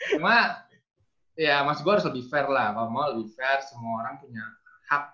cuma ya mas gue harus lebih fair lah kalau mau lebih fair semua orang punya hak